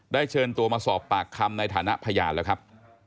เชิญตัวมาสอบปากคำในฐานะพยานแล้วครับ